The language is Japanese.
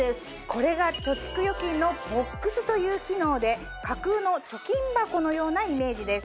これが貯蓄預金のボックスという機能で架空の貯金箱のようなイメージです。